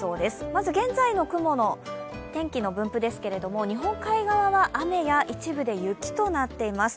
まず現在の雲の天気の分布ですけれども、日本海側は一部で雨や雪となっています。